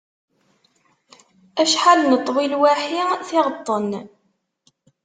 Acḥal neṭwi lwaḥi tiɣeṭṭen!